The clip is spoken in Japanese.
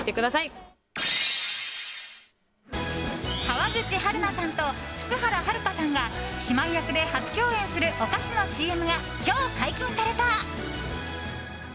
川口春奈さんと福原遥さんが姉妹役で初共演するお菓子のＣＭが今日解禁された。